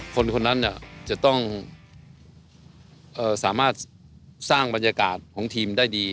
คนคนนั้นจะต้องสามารถสร้างบรรยากาศของทีมได้ดี